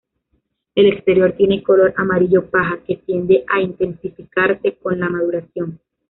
El exterior tiene color amarillo paja, que tiende a intensificarse con la maduración.